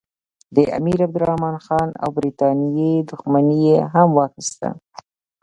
د امیرعبدالرحمن خان او برټانیې دښمني یې هم واخیسته.